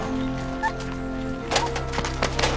あっ。